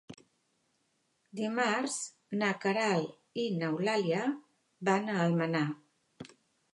Dimarts na Queralt i n'Eulàlia van a Almenar.